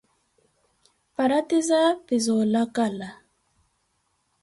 Paratizaya pi za olacala.